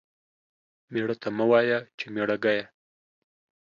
ميړه ته مه وايه چې ميړه گيه.